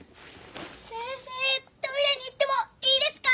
せんせいトイレに行ってもいいですか？